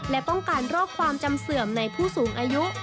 และป้องกันโรคความจำเสื่อมในผู้สูงอายุ